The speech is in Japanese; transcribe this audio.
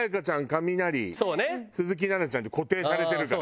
カミナリ鈴木奈々ちゃんで固定されてるから。